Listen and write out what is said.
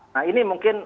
nah ini mungkin